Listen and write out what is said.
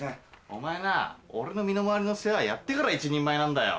お前なぁ俺の身の回りの世話やってから一人前なんだよ。